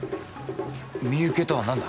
身請けとはなんだ？